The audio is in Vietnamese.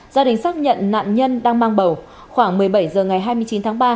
gia đình xác nhận nạn nhân đang mang bầu khoảng một mươi bảy h ngày hai mươi chín tháng ba